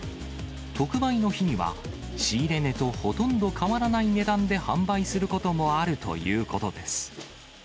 特売の日には、仕入れ値とほとんど変わらない値段で販売することもあるということです。